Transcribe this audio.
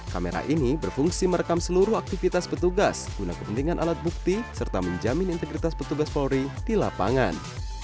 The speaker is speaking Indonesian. kamera ini berfungsi merekam seluruh aktivitas petugas guna kepentingan alat bukti serta menjamin integritas petugas polri di lapangan